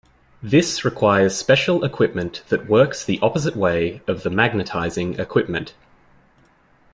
This requires special equipment that works the opposite way of the magnetizing equipment.